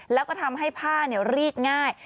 แล้วก็ทำให้ผ้ารีดง่าย